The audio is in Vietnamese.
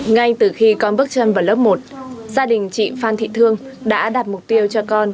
ngay từ khi con bước chân vào lớp một gia đình chị phan thị thương đã đặt mục tiêu cho con